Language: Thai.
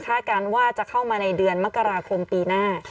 การว่าจะเข้ามาในเดือนมกราคมปีหน้า